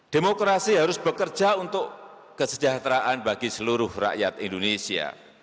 demokrasi harus bekerja untuk kesejahteraan bagi seluruh rakyat indonesia